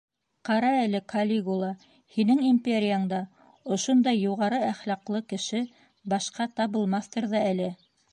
Ҡара әле, Калигула, һинең империяңда ошондай юғары әхлаҡлы кеше башҡа табылмаҫтыр ҙа әле?